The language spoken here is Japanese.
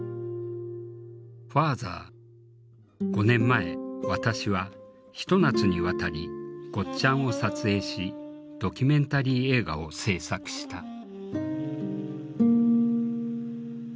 ５年前私はひと夏にわたりゴッちゃんを撮影しドキュメンタリー映画を制作した。